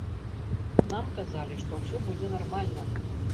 Нам казалі, што ўсё будзе нармальна.